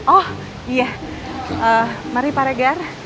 oh iya mari pak regar